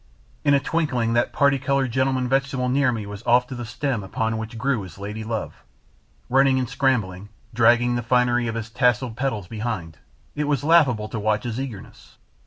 In a twinkling that parti coloured gentleman vegetable near me was off to the stem upon which grew his lady love; running and scrambling, dragging the finery of his tasselled petals behind, it was laughable to watch his eagerness.